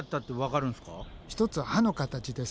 一つは歯の形です。